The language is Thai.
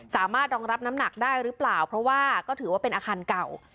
สามารถรองรับน้ำหนักได้หรือเปล่าเพราะว่าก็ถือว่าเป็นอาคารเก่า